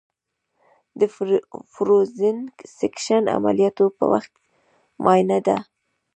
د فروزن سیکشن عملیاتو په وخت معاینه ده.